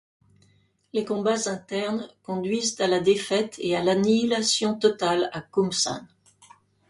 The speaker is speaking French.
Les combats interne conduisent à la défaite et à l'annihilation totale à Kumsan.